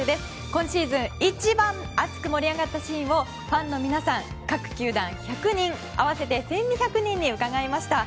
今シーズン一番熱く盛り上がったシーンを、ファンの皆さん各球団１００人合わせて１２００人に伺いました。